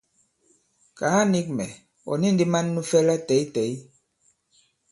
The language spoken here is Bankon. Kàa nīk mɛ̀: ɔ̀ ni ndī man nu fɛ latɛ̂ytɛ̌y?